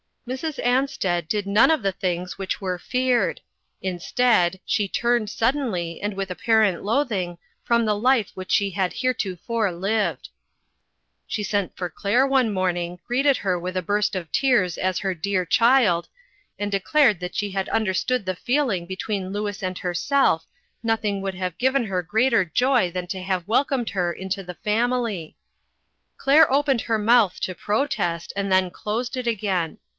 Mrs. Ansted did none of the things which were feared. Instead, she turned suddenly, and with apparent loathing, from the life which she had heretofore lived. She sent for Claire one morning, greeted her with a burst of tears as her dear child, and de clared that had she understood the feeling between Louis and herself nothing would have given her greater joy than to have welcomed her into the family. Claire opened her mouth to protest and then closed it again.